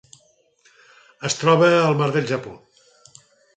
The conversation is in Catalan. Es troba al Mar del Japó.